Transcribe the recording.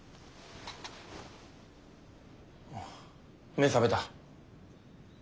目ぇ覚めた？